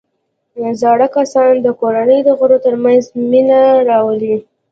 زاړه کسان د کورنۍ د غړو ترمنځ مینه راولي